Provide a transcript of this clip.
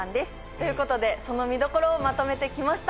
ということでその見どころをまとめて来ました。